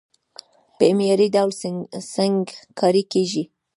په معياري ډول سنګکاري کېږي،